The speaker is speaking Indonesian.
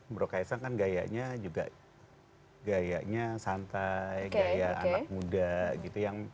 bro kaisang kan gayanya juga gayanya santai gaya anak muda gitu